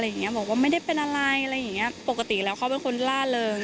บอกว่าไม่ได้เป็นอะไรอะไรอย่างเงี้ยปกติแล้วเขาเป็นคนล่าเริง